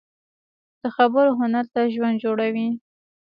د خبرو هنر تل ژوند جوړوي